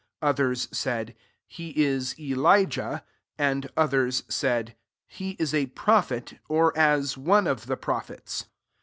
15 Others said, <<He is Elijah." And others said, '^ He is a prophet, or as one of the prophets."